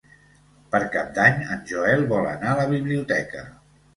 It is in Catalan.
Per Cap d'Any en Joel vol anar a la biblioteca.